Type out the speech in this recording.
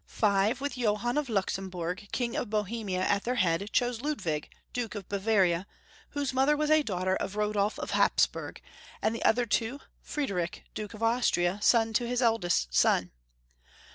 Five, with Johann of Luxembui*g, King of Bohemia, at their head, chose LudAvig, Duke of Bavaria, whose mother was a daughter of Rodolf of Hapsburg, and the other two, Friedrich, Duke of Austria, son to his eldest son.